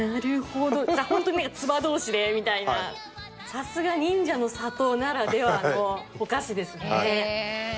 さすが忍者の里ならではのお菓子ですね。